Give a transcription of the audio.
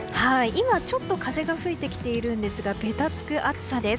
今ちょっと風が吹いてきていますがべたつく暑さです。